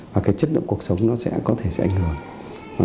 và cái chất lượng cuộc sống nó sẽ có thể sẽ ảnh hưởng